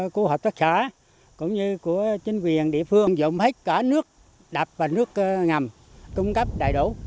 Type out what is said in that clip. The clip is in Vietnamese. cô hợp tác giả cũng như của chính quyền địa phương dụng hết cả nước đập và nước ngầm cung cấp đầy đủ